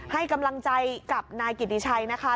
ให้กำลังใจกับนายกิติชัยนะคะ